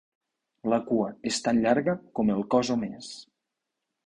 La cua és tan llarga com el cos o més.